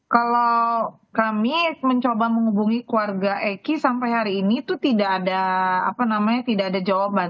kalau kami mencoba menghubungi keluarga eki sampai hari ini tuh tidak ada apa namanya tidak ada jawaban